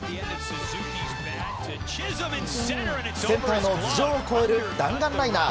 センターの頭上を越える弾丸ライナー。